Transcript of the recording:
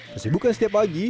kesibukan setiap pagi